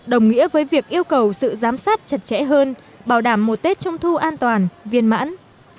đồng nghĩa với việc yêu cầu sự giám sát chặt chẽ hơn bảo đảm một tết trung thu an toàn viên mãn